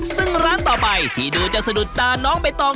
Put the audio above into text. ซึ่งร้านต่อไปที่ดูจะสะดุดตาน้องใบตอง